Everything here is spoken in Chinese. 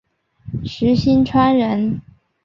石星川人。